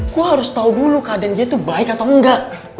gua harus tau dulu keadaan dia tuh baik atau engga